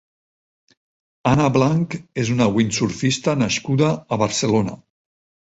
Anna Blanch és una windsurfista nascuda a Barcelona.